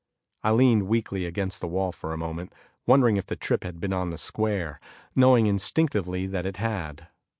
I leaned weakly against the wall for a moment, wondering if the tip had been on the square, knowing instinctively that it had.